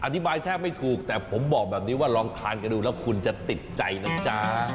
แทบไม่ถูกแต่ผมบอกแบบนี้ว่าลองทานกันดูแล้วคุณจะติดใจนะจ๊ะ